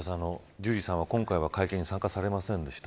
ジュリーさんは今回、会見に参加されませんでした。